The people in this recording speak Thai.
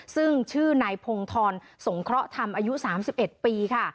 ซึ่งชื่อนายพงธรสงเคราะห์ธรรมอายุ๓๑ปีค่ะ